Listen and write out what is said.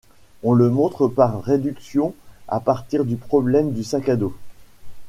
On le montre par réduction à partir du problème du sac à dos.